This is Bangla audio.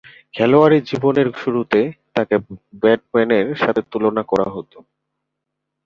খেলোয়াড়ী জীবনের শুরুতে তাকে ব্র্যাডম্যানের সাথে তুলনা করা হতো।